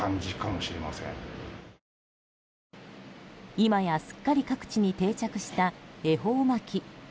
今やすっかり各地に定着した恵方巻き。